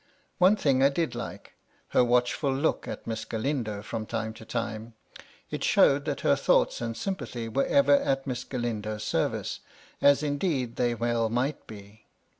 One thing I did like — her watchful look at Miss Galindo from time to time : it showed that her thoughts and sympathy were ever at Miss Galindo's service, as indeed they well might be.